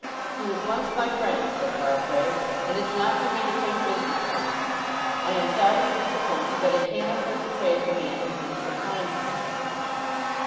"He was once my friend," said Farfrae, "and it's not for me to take business from him. I am sorry to disappoint you, but I cannot hurt the trade of a man who's been so kind to me."